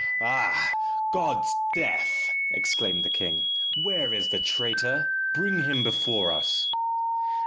"Ah! God's death!" exclaimed the king. "Where is the traitor? Bring him before us."